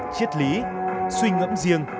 chiết lý suy ngẫm riêng